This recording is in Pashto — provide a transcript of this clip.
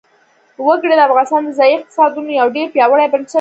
وګړي د افغانستان د ځایي اقتصادونو یو ډېر پیاوړی بنسټ دی.